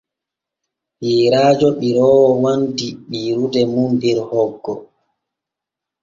Yeerajo ɓiroowo wandi ɓiirude der hoggo.